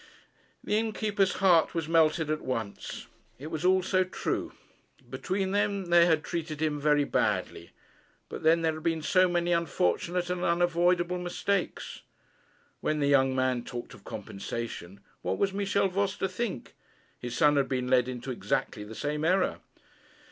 The innkeeper's heart was melted at once. It was all so true! Between them they had treated him very badly. But then there had been so many unfortunate and unavoidable mistakes! When the young man talked of compensation, what was Michel Voss to think? His son had been led into exactly the same error.